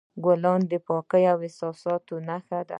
ګلان د پاکو احساساتو نښه ده.